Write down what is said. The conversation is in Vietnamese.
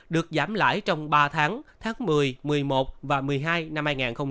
được giảm lại trong ba tháng tháng một mươi một mươi một và một mươi hai tháng